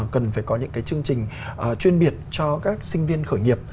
cần phải có những cái chương trình chuyên biệt cho các sinh viên khởi nghiệp